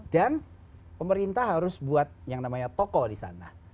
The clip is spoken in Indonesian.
dan pemerintah harus buat yang namanya toko di sana